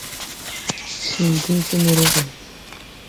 Cẽẽ diŋ fen rege.